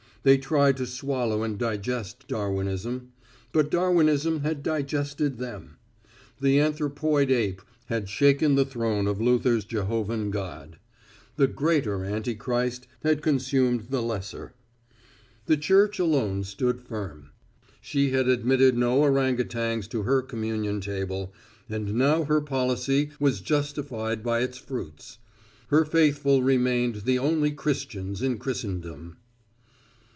They tried to swallow and digest Darwinism. But Darwinism had digested them. The anthropoid ape had shaken the throne of Luther's Jehovan God. The greater anti Christ had consumed the lesser. The Church alone stood firm. She had admitted no orang outangs to her communion table, and now her policy was justified by its fruits. Her faithful remained the only Christians in Christendom.